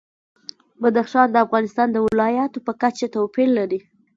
بدخشان د افغانستان د ولایاتو په کچه توپیر لري.